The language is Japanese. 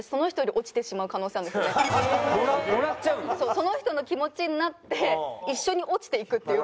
その人の気持ちになって一緒に落ちていくっていう。